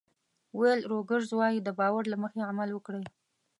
ویل روګرز وایي د باور له مخې عمل وکړئ.